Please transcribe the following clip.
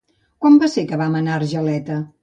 Quan va ser que vam anar a Argeleta?